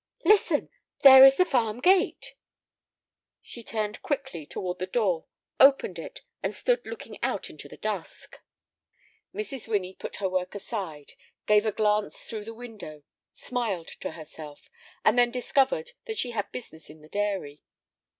"Listen, there is the farm gate." She turned quickly toward the door, opened it, and stood looking out into the dusk. Mrs. Winnie put her work aside, gave a glance through the window, smiled to herself, and then discovered that she had business in the dairy.